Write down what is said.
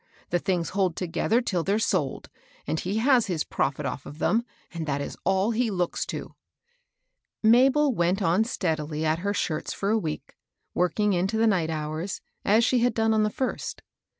The things hold together till they're sold, and he has his profit off of them, and that is all he looks to." Mabel went on steadily at her shirts for a week, working into the night hours, as she had done on the first.